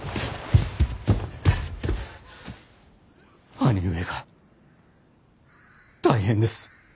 兄上が大変です。